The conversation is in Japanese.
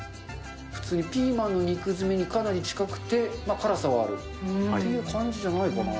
普通にピーマンの肉詰めにかなり近くて、辛さはあるっていう感じじゃないかな。